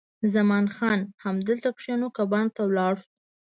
خان زمان: همدلته کښېنو که بڼ ته ولاړ شو؟